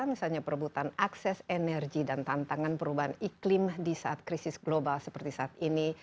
misalnya perebutan akses energi dan tantangan perubahan iklim di saat krisis global seperti saat ini